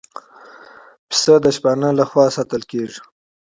پسه د شپانه له خوا ساتل کېږي.